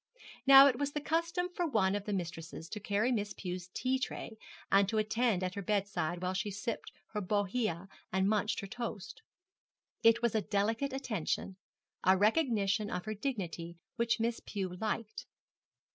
Now it was the custom for one of the mistresses to carry Miss Pew's tea tray, and to attend at her bedside while she sipped her bohea and munched her toast. It was a delicate attention, a recognition of her dignity, which Miss Pew liked.